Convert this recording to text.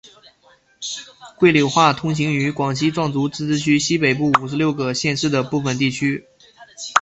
桂柳话通行于广西壮族自治区西北部五十六个县市的部分地区。